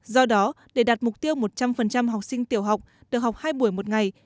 do đó để đạt mục tiêu một trăm linh học sinh tiểu học được học hai buổi một ngày